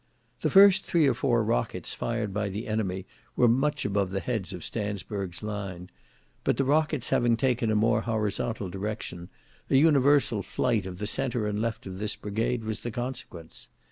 "The first three or four rockets fired by the enemy were much above the heads of Stansburg's line; but the rockets having taken a more horizontal direction, an universal flight of the centre and left of this brigade was the consequence.